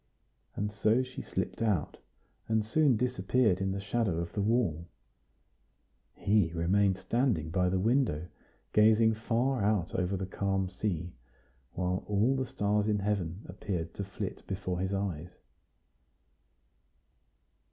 And so she slipped out, and soon disappeared in the shadow of the wall. He remained standing by the window, gazing far out over the calm sea, while all the stars in heaven appeared to flit before his eyes.